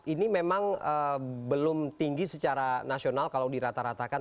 ini memang belum tinggi secara nasional kalau dirata ratakan